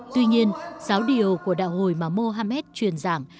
tuy nhiên giáo điều của đạo hồi mà mohamed truyền giảng